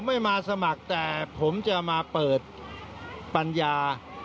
ไม่มาสมัครแต่ผมจะมาเปิดปัญญา